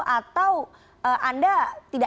atau anda tidak